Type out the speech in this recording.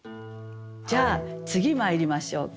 じゃあ次まいりましょうか。